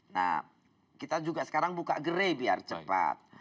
nah kita juga sekarang buka gerai biar cepat